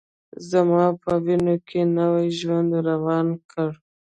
زما په وینوکې نوی ژوند روان کړ